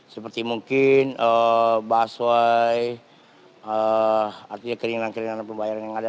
seperti mungkin busway artinya keinginan keinginan pembayaran yang ada